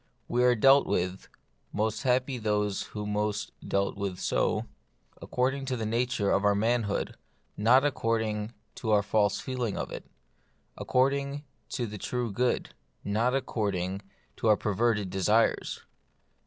We are dealt with — most happy those who most are dealt with so according to the nature of our manhood, not according to our false feeling of it ; according to the true good, not according to our per verted desires.